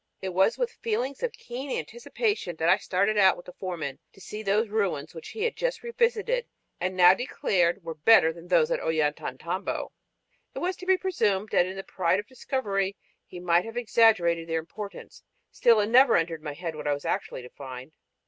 It was with feelings of keen anticipation that I started out with the foreman to see those ruins which he had just revisited and now declared were "better than those of Ollantaytambo." It was to be presumed that in the pride of discovery he might have exaggerated their importance. Still it never entered my head what I was actually to find.